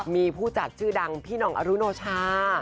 มีผู้จัดชื่อดังพี่หน่องอรุโนชา